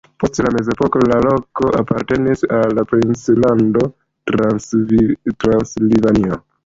Post la mezepoko la loko apartenis al princlando Transilvanio.